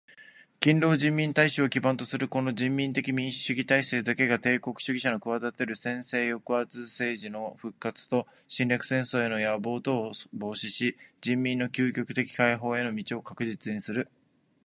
日本人民の圧倒的多数を占める勤労人民大衆を基盤とするこの人民的民主主義体制だけが帝国主義者のくわだてる専制抑圧政治の復活と侵略戦争への野望とを防止し、人民の窮極的解放への道を確実にする。